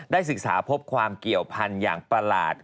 ศึกษาพบความเกี่ยวพันธุ์อย่างประหลาด